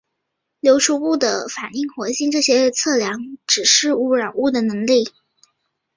流出物的反应活性的这些测量指示污染的能力。